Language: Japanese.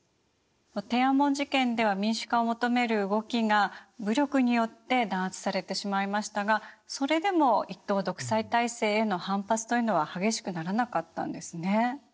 天安門事件では民主化を求める動きが武力によって弾圧されてしまいましたがそれでも一党独裁体制への反発というのは激しくならなかったんですね。